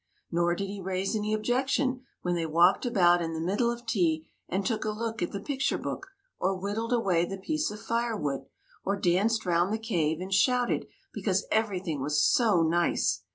Nor did he raise any objection when they walked about in the middle of tea and took a look at the picture book, or whittled away the piece of firewood, or danced round the cave and shouted because everything was so nice.